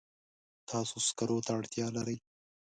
تاسو سکرو ته اړتیا لرئ.